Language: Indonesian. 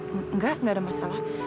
enggak gak ada masalah